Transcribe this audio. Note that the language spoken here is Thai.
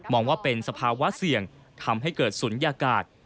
ว่าเป็นสภาวะเสี่ยงทำให้เกิดศูนยากาศ